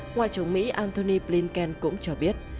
ngoại trưởng mỹ antony blinken cũng cho biết